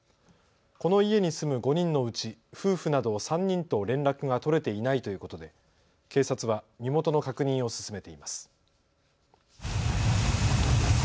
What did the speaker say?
この家に住む５人のうち夫婦など３人と連絡が取れていないということで警察は身元の確認を進めています。